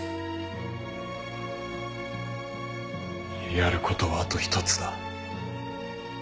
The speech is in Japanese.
やることはあと１つだ。